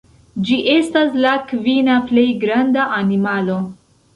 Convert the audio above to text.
Ĝi estas la kvina plej granda animalo.